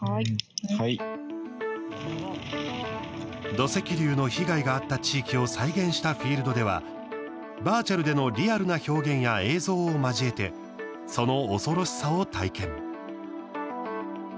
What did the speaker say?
土石流の被害があった地域を再現したフィールドではバーチャルでのリアルな表現や映像を交えてその恐ろしさを体験。